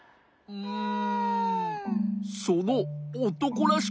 うん。